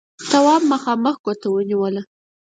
تواب مخامخ ګوته ونيوله: